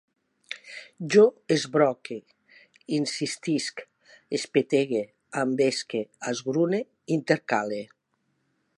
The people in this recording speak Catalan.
Jo esbroque, insistisc, espetegue, envesque, esgrune, intercale